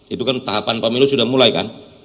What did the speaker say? itu kan tahapan pemilu sudah mulai kan